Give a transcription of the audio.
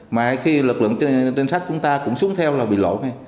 mà khi lực lượng trinh sát chúng ta cũng xuống theo là bị lộ ngay